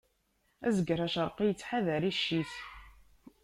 Azger acerqi ittḥadar icc-is.